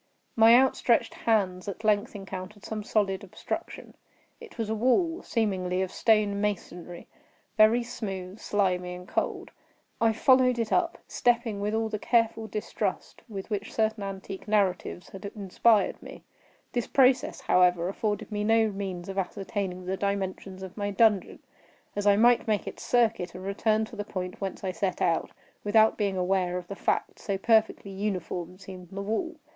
My outstretched hands at length encountered some solid obstruction. It was a wall, seemingly of stone masonry—very smooth, slimy, and cold. I followed it up; stepping with all the careful distrust with which certain antique narratives had inspired me. This process, however, afforded me no means of ascertaining the dimensions of my dungeon; as I might make its circuit, and return to the point whence I set out, without being aware of the fact; so perfectly uniform seemed the wall.